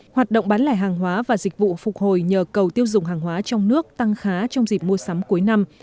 hoạt động bán lẻ hàng hóa và dịch vụ phục hồi nhờ cầu tiêu dùng hàng hóa trong nước tăng khá trong dịp mua sắm cuối năm